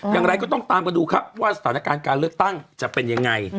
อย่างไรก็ต้องตามกันดูครับว่าสถานการณ์การเลือกตั้งจะเป็นยังไง